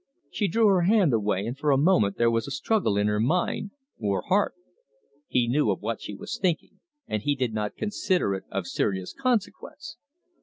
She drew her hand away, and for a moment there was a struggle in her mind or heart. He knew of what she was thinking, and he did not consider it of serious consequence.